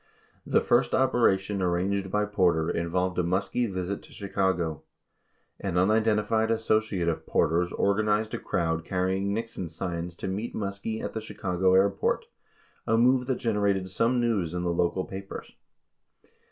36 The first operation arranged by Porter involved a MuSkie visit to Chicago. An unidentified associate of Porter's organized a crowd carry ing Nixon signs to meet Muskie at the Chicago airport, a move that generated some news in the local papers.